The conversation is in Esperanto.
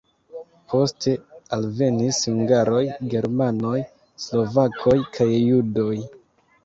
Poste alvenis hungaroj, germanoj, slovakoj kaj judoj.